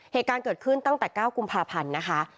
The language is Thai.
เหตุการณ์เกิดขึ้นตั้งแต่๙กุมภาพันธ์นะคะ